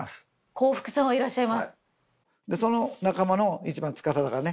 幸福さんはいらっしゃいます。